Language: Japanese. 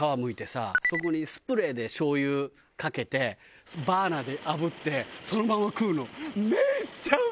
そこにスプレーで醤油かけてバーナーで炙ってそのまま食うの。